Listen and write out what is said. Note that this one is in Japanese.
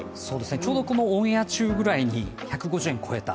ちょうどこのオンエア中ぐらいに１５０円を超えた。